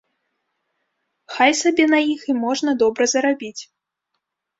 Хай сабе на іх і можна добра зарабіць.